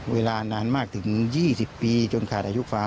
เวลานานมากถึง๒๐ปีจนขาดอายุความ